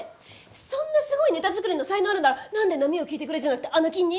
そんなすごいネタ作りの才能あるならなんで『波よ聞いてくれ』じゃなくて『アナ禁』に？